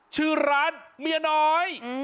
ชื่อร้านเมียน้อย